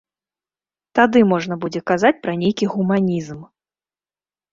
Тады можна будзе казаць пра нейкі гуманізм.